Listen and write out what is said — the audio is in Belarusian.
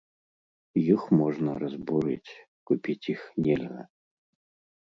Іх можна разбурыць, купіць іх нельга.